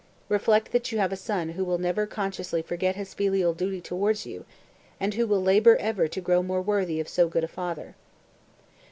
Reflect that you have a son who will never consciously forget his filial duty toward you, and who will labor ever to grow more worthy of so good a father."